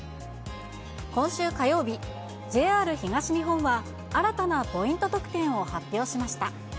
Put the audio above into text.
今週火曜日、ＪＲ東日本は新たなポイント特典を発表しました。